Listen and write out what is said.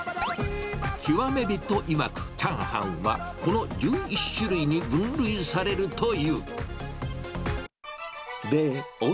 極め人いわく、チャーハンはこの１１種類に分類されるという。